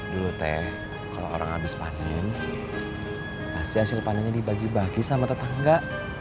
dulu teh kalau orang habis panen pasti hasil panennya dibagi bagi sama tetangga